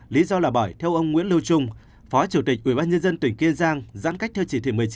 lý do là bởi theo ông nguyễn lưu trung phó chủ tịch ubnd tỉnh kiên giang giãn cách theo chỉ thị một mươi chín